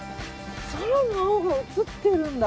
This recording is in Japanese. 空の青が映ってるんだ。